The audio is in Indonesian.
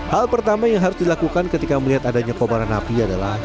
hal pertama yang harus dilakukan ketika melihat adanya kobaran api adalah